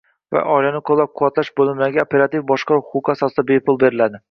va oilani qo‘llab-quvvatlash bo‘limlariga operativ boshqaruv huquqi asosida bepul beriladi.